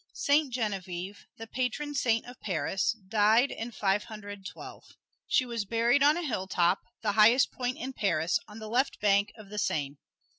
Saint Genevieve, the patron saint of Paris, died in Five Hundred Twelve. She was buried on a hilltop, the highest point in Paris, on the left bank of the Seine.